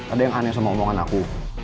ada yang aneh sama omongan aku